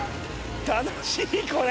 楽しいこれ！